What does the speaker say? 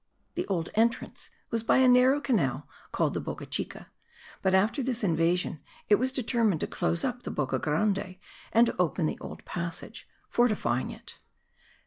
[The old entrance was by a narrow channel called the Boca Chica; but after this invasion it was determined to close up the Boca Grande and to open the old passage, fortifying it.